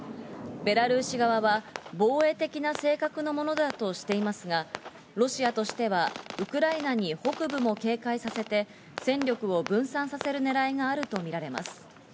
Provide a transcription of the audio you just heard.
ベラルーシ側は「防衛的な性格のものだ」としていますが、ロシアとしてはウクライナに北部も警戒させて、戦力を分散させる狙いがあるとみられます。